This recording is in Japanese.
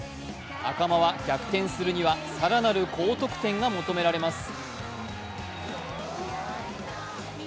赤間は、逆転するには更なる高得点が求められます。